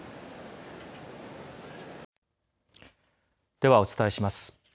ではお伝えします。